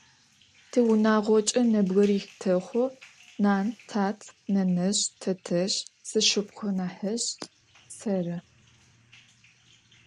Tiunağoç'e nebgırix texhu: nan, tat, nenezj, tetezj, sşşıpxhunahızj, serı.